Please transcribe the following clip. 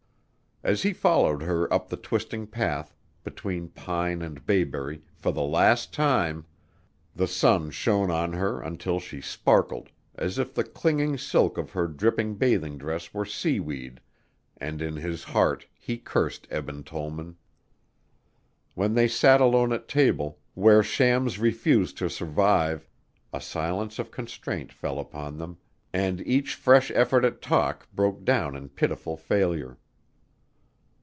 As he followed her up the twisting path ... between pine and bayberry ... for the last time ... the sun shone on her until she sparkled as if the clinging silk of her dripping bathing dress were sea weed, and in his heart he cursed Eben Tollman. When they sat alone at table, where shams refuse to survive, a silence of constraint fell upon them and each fresh effort at talk broke down in pitiful failure.